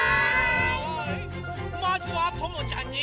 まずはともちゃんに。